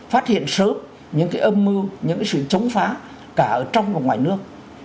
phát hiện sớm những cái âm mưu những cái sự chống phá cả ở trong và ngoài nước